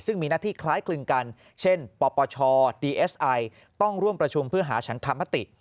ซึ่งมีหน้าที่คล้ายคลึงกันเช่นปปชดีเอสไอต้องร่วมประชุมเพื่อหาฉันธรรมติ